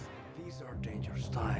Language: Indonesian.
ini adalah waktu yang berbahaya